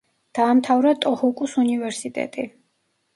დაამთავრა ტოჰოკუს უნივერსიტეტი.